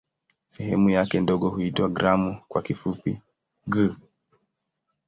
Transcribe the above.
Sehemu yake ndogo huitwa "gramu" kwa kifupi "g".